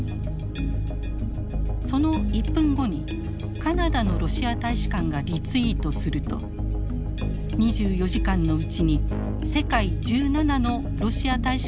その１分後にカナダのロシア大使館がリツイートすると２４時間のうちに世界１７のロシア大使館などが次々とリツイート。